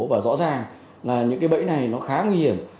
và rõ ràng là những cái bẫy này nó khá nguy hiểm